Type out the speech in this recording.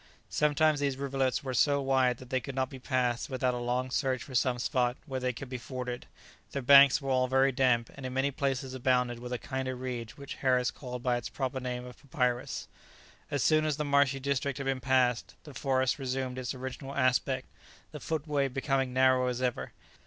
Sometimes these rivulets were so wide that they could not be passed without a long search for some spot where they could be forded; their banks were all very damp, and in many places abounded with a kind of reed, which Harris called by its proper name of papyrus. As soon as the marshy district had been passed, the forest resumed its original aspect, the footway becoming narrow as ever.